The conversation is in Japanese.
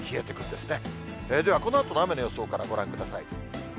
ではこのあとの雨の予想からご覧ください。